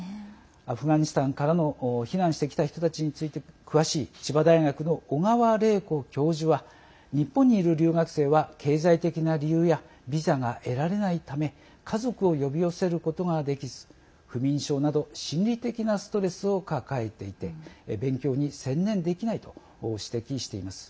アフガニスタンからの避難してきた人たちについて詳しい千葉大学の小川玲子教授は日本にいる留学生は経済的な理由やビザが得られないため家族を呼び寄せることができず不眠症など心理的なストレスを抱えていて勉強に専念できないと指摘しています。